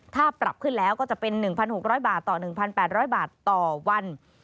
ถ้าปรับขึ้นแล้วก็จะเป็น๑๖๐๐บาทต่อ๑๘๐๐บาทต่อวัน